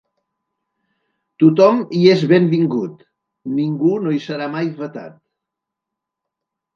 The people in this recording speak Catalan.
Tothom hi és benvingut, ningú no hi serà mai vetat.